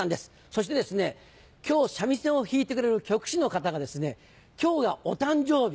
そして今日三味線を弾いてくれる曲師の方がですね今日がお誕生日。